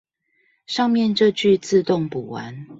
上面這句自動補完